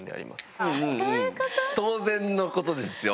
当然のことですよ。